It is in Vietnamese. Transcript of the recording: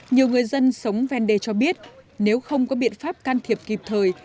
nhiều người dân sống ven đê cho biết nếu không có biện pháp can thiệp kịp thời